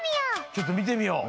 ちょっとみてみよう。